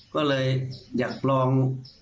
ก็เลยอยากลอง